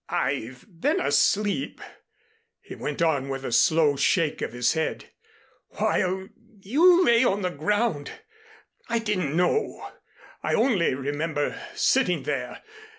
'" "I've been asleep," he went on with a slow shake of his head, "while you lay on the ground. I didn't know. I only remember sitting there.